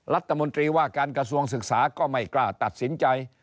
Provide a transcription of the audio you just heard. รัฐมนตรีว่าการกระทรวงศึกษาก็ไม่กล้าตัดสินใจ